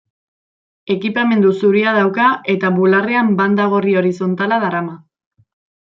Ekipamendu zuria dauka eta bularrean banda gorri horizontala darama.